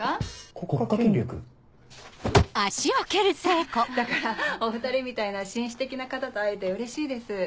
国家権力？だからお２人みたいな紳士的な方と会えてうれしいです。